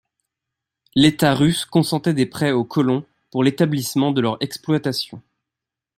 L'État russe consentait des prêts aux colons pour l'établissement de leur exploitation.